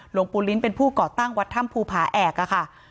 หลวงปู่ลิ้นเป็นผู้ก่อตั้งวัดถ้ำภูผาแอกค่ะ